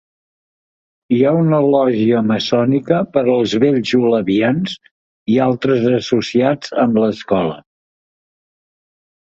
Hi ha una lògia maçònica per als vells olavians i altres associats amb l'escola.